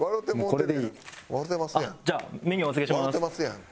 「笑うてますやん。